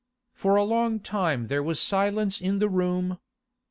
For a long time there was silence in the room.